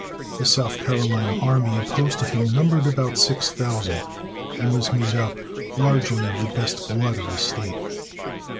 The South Carolina army opposed to him numbered about six thousand, and was made up largely of the best blood of the state.